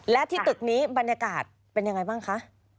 และที่ตึกนี้บรรยากาศเป็นยังไงบ้างคะ